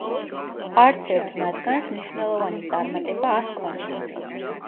არც ერთ მათგანს მნიშვნელოვანი წარმატება არ ჰქონია.